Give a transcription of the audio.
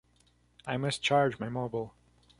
I must charge my mobile.